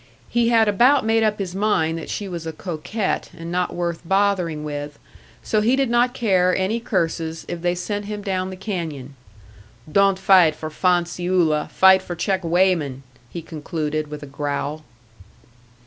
He had about made up his mind that she was a coquette, and not worth bothering with, so he did not care any curses if they sent him down the canyon. "Don't fight for fanciulla, fight for check weighman!" he concluded, with a growl.